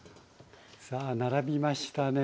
さあ並びましたね。